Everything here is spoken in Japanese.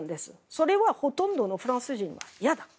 それはほとんどのフランス人は嫌だ。